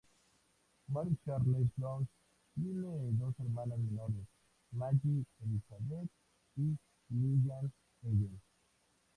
Mary Charles Jones tiene dos hermanas menores, Maggie Elizabeth y Lillian Ellen.